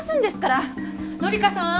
紀香さん！